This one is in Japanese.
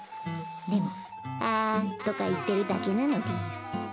でも「あ」とか言ってるだけなのでぃす